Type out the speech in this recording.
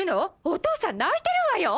お父さん泣いてるわよ！